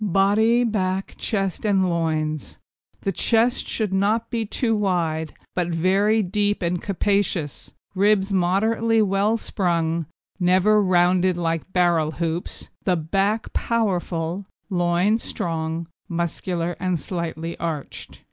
BODY, BACK, CHEST, AND LOINS The chest should not be too wide, but very deep and capacious, ribs moderately well sprung, never rounded like barrel hoops (which would indicate want of speed), the back powerful, loin strong, muscular, and slightly arched.